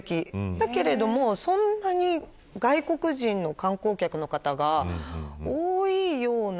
だけどそんなに外国人の観光客の方が多いような。